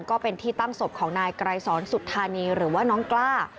ก็เป็นที่ตั้งศพของนายไกรสอนสุธานีหรือว่าน้องกล้า